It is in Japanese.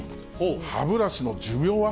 歯ブラシの寿命は？